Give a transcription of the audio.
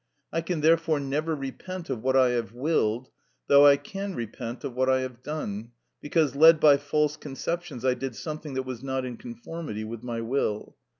I can therefore never repent of what I have willed, though I can repent of what I have done; because, led by false conceptions, I did something that was not in conformity with my will.